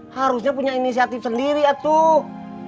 harusnya punya inisiatif sendiri eh tuh